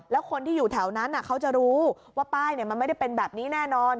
แล้วคนที่อยู่แถวนั้นเขาจะรู้ว่าป้ายมันไม่ได้เป็นแบบนี้แน่นอน